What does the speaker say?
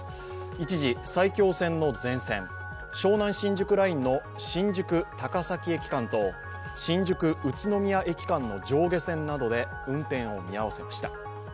一時、埼京線の全線、湘南新宿ラインの新宿−高崎駅間と新宿−宇都宮駅間の上下線などで運転を見合わせました。